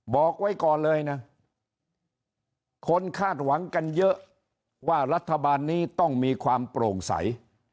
บอกไว้ก่อนเลยนะคนคาดหวังกันเยอะว่ารัฐบาลนี้ต้องมีความโปร่งใส